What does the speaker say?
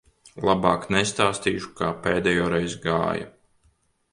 Labāk nestāstīšu, kā pēdējoreiz gāja.